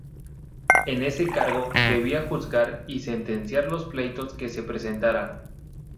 En ese cargo debía juzgar y sentenciar los pleitos que se presentaran.